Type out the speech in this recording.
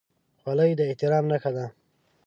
خولۍ د احترام نښه ده.